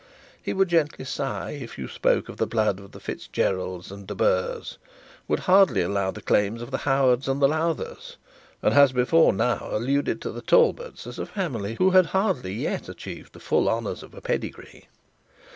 He would gently sigh if you spoke of the blood of the Fitzgeralds and De Burghs; would hardly allow the claims of the Howards and Lowthers; and has before now alluded to the Talbots as a family who had hardly yet achieved the full honours of a pedigree.